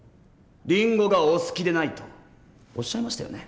リンゴがお好きでないとおっしゃいましたよね？